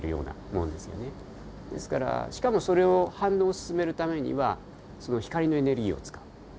ですからしかもそれを反応を進めるためにはその光のエネルギーを使う。